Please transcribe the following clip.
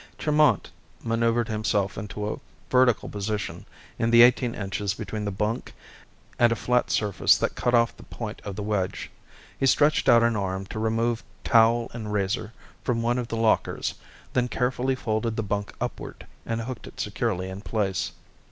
Tremont maneuvered himself into a vertical position in the eighteen inches between the bunk and a flat surface that cut off the point of the wedge. He stretched out an arm to remove towel and razor from one of the lockers, then carefully folded the bunk upward and hooked it securely in place.